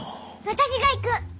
私が行く！